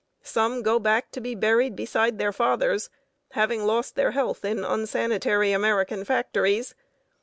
Some go back to be buried beside their fathers, having lost their health in unsanitary American factories.